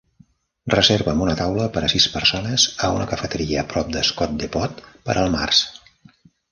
Reserva'm una taula per a sis persones a una cafeteria a prop de Scott Depot per al març.